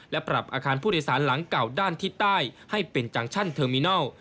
และปรับอาคารผู้โดยสารหลังเก่าด้านทิศใต้ให้เป็นจังชั่นเทอร์มินัล